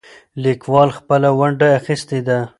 لیکوال خپله ونډه اخیستې ده.